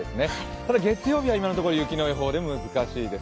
ただ月曜日は今のところ雪の予報で難しいです。